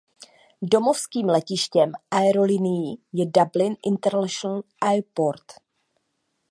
Domovským letištěm aerolinií je Dublin International Airport.